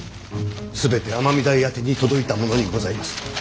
全て尼御台宛てに届いたものにございます。